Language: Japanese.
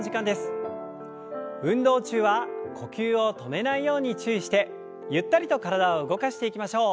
運動中は呼吸を止めないように注意してゆったりと体を動かしていきましょう。